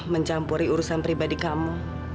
mencampuri urusan pribadi kamu